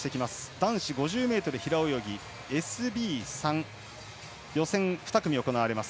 男子５０ｍ平泳ぎＳＢ３予選２組が行われます。